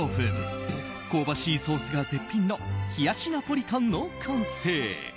香ばしいソースが絶品の冷やしナポリタンの完成。